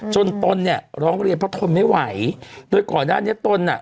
ตนเนี่ยร้องเรียนเพราะทนไม่ไหวโดยก่อนหน้านี้ตนอ่ะ